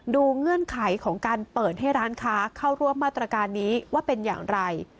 เงื่อนไขของการเปิดให้ร้านค้าเข้าร่วมมาตรการนี้ว่าเป็นอย่างไร